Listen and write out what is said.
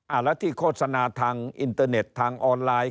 แล้วที่โฆษณาทางอินเตอร์เน็ตทางออนไลน์